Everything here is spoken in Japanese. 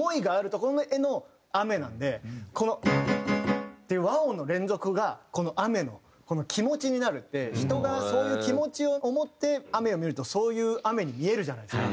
この。っていう和音の連続がこの雨の気持ちになるって人がそういう気持ちを思って雨を見るとそういう雨に見えるじゃないですか。